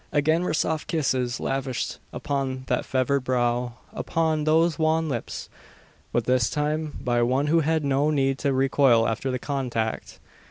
Again were soft kisses lavished upon that fevered brow upon those wan lips; but this time by one who had no need to recoil after the contact.